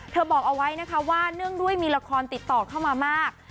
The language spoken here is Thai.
บอกเอาไว้นะคะว่าเนื่องด้วยมีละครติดต่อเข้ามามาก